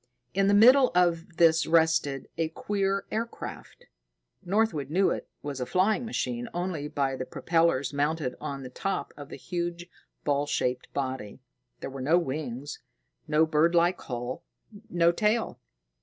In the middle of this rested a queer aircraft. Northwood knew it was a flying machine only by the propellers mounted on the top of the huge ball shaped body. There were no wings, no birdlike hull, no tail.